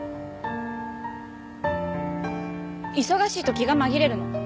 忙しいと気が紛れるの。